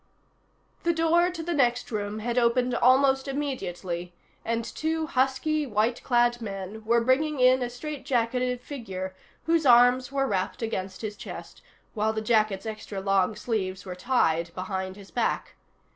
The door to the next room had opened almost immediately, and two husky, white clad men were bringing in a strait jacketed figure whose arms were wrapped against his chest, while the jacket's extra long sleeves were tied behind his back.